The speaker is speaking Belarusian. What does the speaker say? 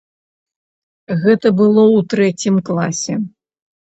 Гэта было ў трэцім класе.